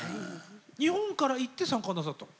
日本から行って参加なさったの？